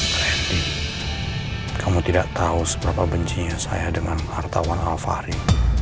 berhenti kamu tidak tahu seberapa bencinya saya dengan wartawan alfari